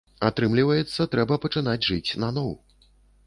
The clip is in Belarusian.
Атрымліваецца, трэба пачынаць жыць наноў.